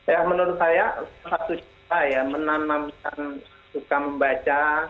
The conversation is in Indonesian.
ya menurut saya satu cara ya menanamkan suka membaca